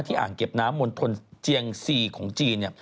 ที่อ่างเก็บน้ำบนทนเจียงซีของจีน